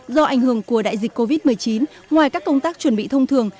do ảnh hưởng của đại dịch covid một mươi chín ngoài các công tác chuẩn bị thông thường